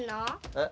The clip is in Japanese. えっ。